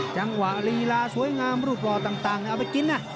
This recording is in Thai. จังหวะลีลาสวยงามรูปหล่อต่างเอาไปกินนะ